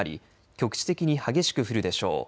局地的に激しく降るでしょう。